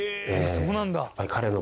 そうなんだ！